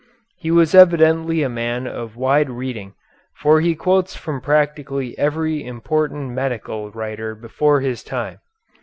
He was evidently a man of wide reading, for he quotes from practically every important medical writer before his time.